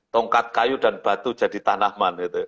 tongkat kayu dan batu jadi tanaman